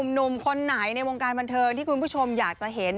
หนุ่มคนไหนในวงการบันเทิงที่คุณผู้ชมอยากจะเห็น